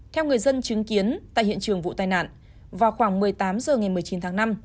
theo người dân chứng kiến tại hiện trường vụ tai nạn vào khoảng một mươi tám h ngày một mươi chín tháng năm